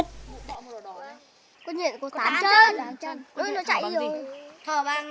tán chân đuôi nó chạy vô